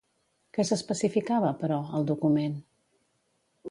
Què s'especificava, però, al document?